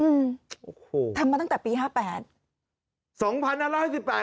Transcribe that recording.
อืมโอ้โหทำมาตั้งแต่ปีห้าแปดสองพันห้าร้อยห้าสิบแปด